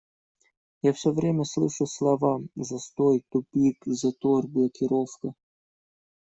Я все время слышу слова "застой", "тупик", "затор", "блокировка".